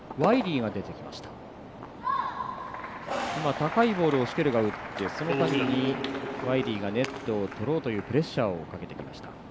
高いボールをシュケルが打ってその次にワイリーがネットを取ろうというプレッシャーをかけてきました。